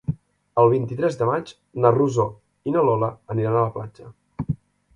El vint-i-tres de maig na Rosó i na Lola aniran a la platja.